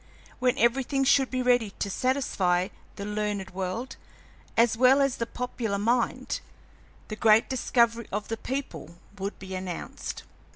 When everything should be ready to satisfy the learned world, as well as the popular mind, the great discovery of the pole would be announced.